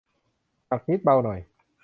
หนักนิดเบาหน่อย